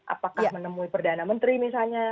apakah menemui perdana menteri misalnya